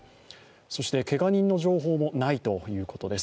そしてけが人の情報もないということです。